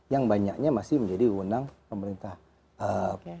yang banyaknya masih menjadi undang pemerintah pusat